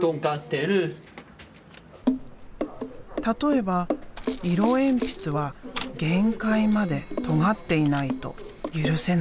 例えば色鉛筆は限界までとがっていないと許せない。